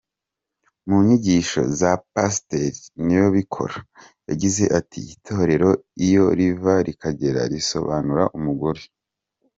Mu nyigisho ze Pasiteri Niyibikora yagize ati “Itorero iyo riva rikagera risobanura umugore.